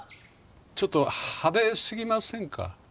ちょっと派手すぎませんか？